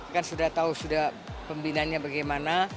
kan sudah tahu sudah pembinaannya bagaimana